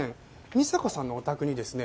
美沙子さんのお宅にですね